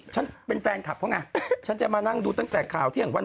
ฉันเป็นคนที่อ่านจากรายการหวนกระแสเพราะเขางกแขก